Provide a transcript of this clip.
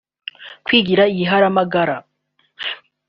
Kwigira igiharamagara